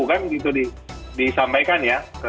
kan gitu disampaikan ya